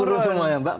menurun semua ya mbak